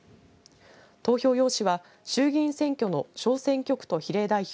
投票用紙は衆議院選挙の小選挙区と比例代表